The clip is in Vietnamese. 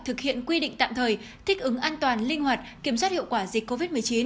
thực hiện quy định tạm thời thích ứng an toàn linh hoạt kiểm soát hiệu quả dịch covid một mươi chín